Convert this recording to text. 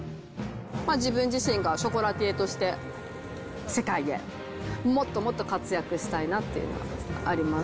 自分自身がショコラティエとして、世界でもっともっと活躍したいなというのがあります。